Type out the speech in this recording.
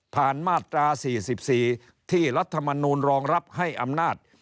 มาตรา๔๔ที่รัฐมนูลรองรับให้อำนาจ